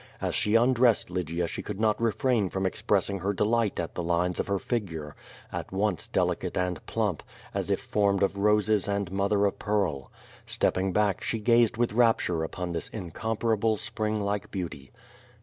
As she undress ed Lygia she could not refrain from expressing her delight at the lines of her figure, at once delicate and plump, as if formed of roses and mother of pearl. Stepping back slie gazed with rapture upon this incomparable spring like beauty.